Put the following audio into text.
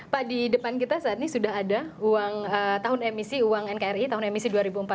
pak di depan kita saat ini sudah ada tahun emisi uang nkri tahun emisi dua ribu empat belas